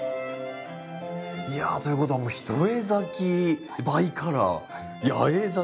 いやということは一重咲きバイカラー八重咲き。